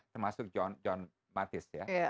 termasuk john mathis ya